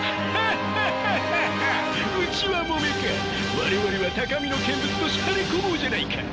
我々は高みの見物としゃれ込もうじゃないか。